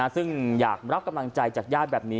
ซึ่งอยากรับกำลังใจจากญาติแบบนี้